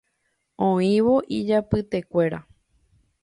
Oĩvo ijapytekuéra